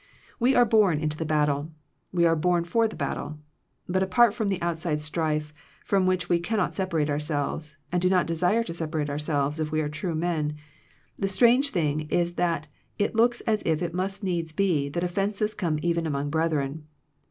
We are bom into the battle; we are born for the battle. But apart from the outside strife, from which we can not separate ourselves, and do not desire to separate ourselves if we are true men, the strange thing is that it looks as if it must needs be that offences come even among brethren.